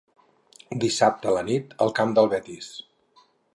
Dissabte a la nit, al camp del Betis.